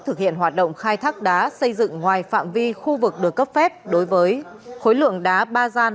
thực hiện hoạt động khai thác đá xây dựng ngoài phạm vi khu vực được cấp phép đối với khối lượng đá ba gian